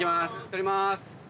撮りまーす。